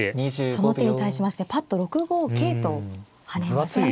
その手に対しましてぱっと６五桂と跳ねました。